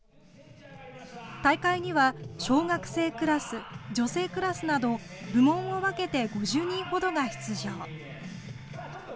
大会には、小学生クラス、女性クラスなど、部門を分けて５０人ほどが出場。